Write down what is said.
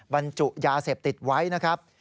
บรรจุยาเสพติดไว้นะครับ